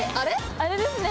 あれですね。